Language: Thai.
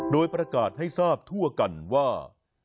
โดยประกาศให้ทราบทั่วกันว่า